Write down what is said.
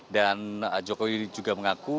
dan jokowi juga mengaku